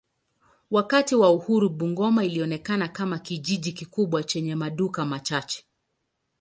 Wakati wa uhuru Bungoma ilionekana kama kijiji kikubwa chenye maduka machache.